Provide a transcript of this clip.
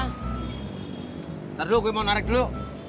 nanti dulu gue mau narik dulu